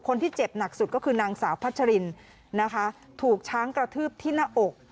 เจ็บหนักสุดก็คือนางสาวพัชรินนะคะถูกช้างกระทืบที่หน้าอก